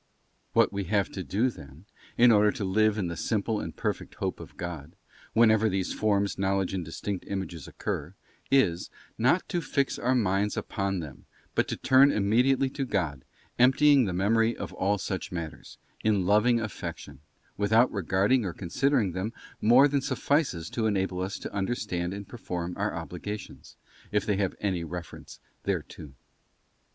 What we have to do, then, in order to live in the simple and perfect Hope of God, whenever these forms, knowledge, and distinct images occur, is, not to fix our minds upon them but to turn immediately to God, emptying the Memory of all such matters, in loving affection, without regarding or considering them more than suffices to enable us to under stand and perform our obligations, if they have any reference thereto.